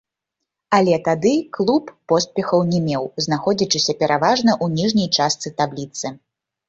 Але тады клуб поспехаў не меў, знаходзячыся пераважна ў ніжняй частцы табліцы.